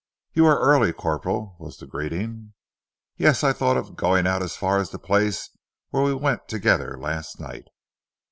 "You are early, Corporal," was the greeting. "Yes, I thought of going out as far as the place where we went together last night."